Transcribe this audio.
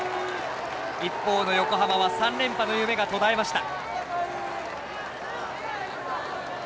一方の横浜は３連覇の夢が途絶えました。